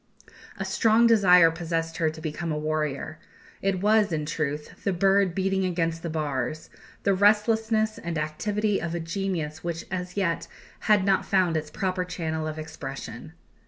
A strong desire possessed her to become a warrior; it was, in truth, the bird beating against the bars: the restlessness and activity of a genius which as yet had not found its proper channel of expression.